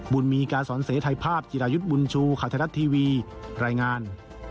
บุญมีการสอนเสถ่ายภาพจิรายุทธ์บุญชูข่าวไทยรัฐทีวีรายงาน